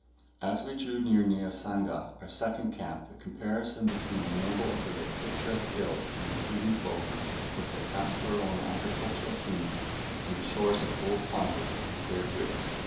As we drew near Niasanga, our second camp, the comparison between the noble array of picturesque hills and receding coves, with their pastoral and agricultural scenes, and the shores of old Pontus, was very great.